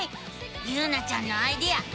ゆうなちゃんのアイデアすごいね！